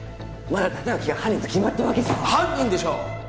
まだ立脇が犯人と決まったわけじゃ犯人でしょ！